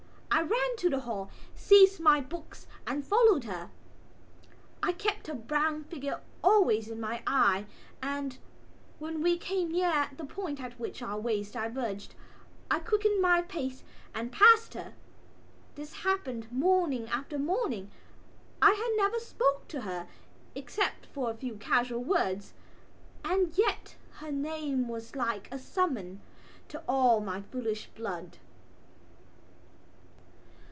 I ran to the hall, seized my books and followed her. I kept her brown figure always in my eye and, when we came near the point at which our ways diverged, I quickened my pace and passed her. This happened morning after morning. I had never spoken to her, except for a few casual words, and yet her name was like a summons to all my foolish blood.